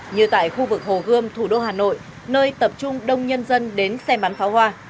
như tại khu vực hồ gươm thủ đô hà nội nơi tập trung đông nhân dân đến xem bắn pháo hoa